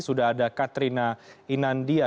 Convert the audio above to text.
sudah ada katrina inandia